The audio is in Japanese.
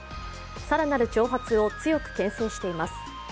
更なる挑発を強くけん制しています。